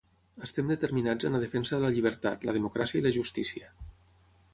Estem determinats en la defensa de la llibertat, la democràcia i la justícia.